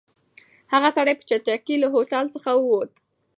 هغه سړی په چټکۍ له هوټل څخه ووت.